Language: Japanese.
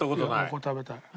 これ食べたい。